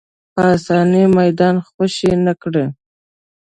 په اسانۍ میدان خوشې نه کړي